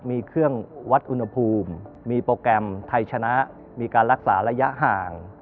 มีเครื่องวัดอุณหภูมิมีโปรแกรมไทยชนะมีการรักษาระยะห่าง